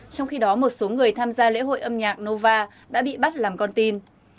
trong khi đó một số người tham gia lễ hội âm nhạc nova đã bị bắt làm con tin